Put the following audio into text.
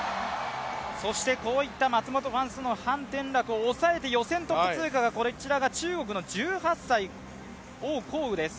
そして、こういった松元、ファン・ソヌ、潘展樂をおさえて予選トップ通過がこちらが中国の１８歳、王浩宇です。